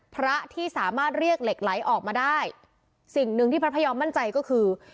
พระที่สามารถเรียกเหล็กไหลออกมาได้สิ่งหนึ่งที่พระพยอมมั่นใจก็คือ